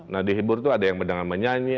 nah dihibur itu ada yang sedang menyanyi